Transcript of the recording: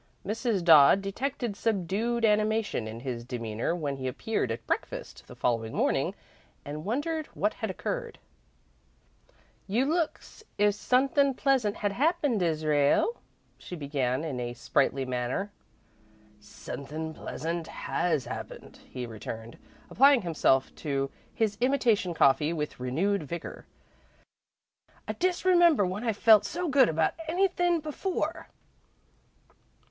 Mrs. Dodd detected subdued animation in his demeanour when he appeared at breakfast the following morning, and wondered what had occurred. "You look 's if sunthin' pleasant had happened, Israel," she began in a sprightly manner. "Sunthin' pleasant has happened," he returned, applying himself to his imitation coffee with renewed vigour. "I disremember when I've felt so good about anythin' before."